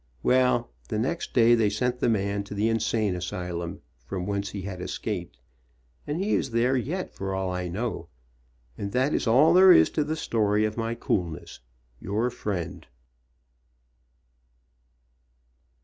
Well, the next day they sent the man to the insane asylum, from whence he had escaped, and he is there yet for all I know, and that is all there is to the story of my coolness. Your friend.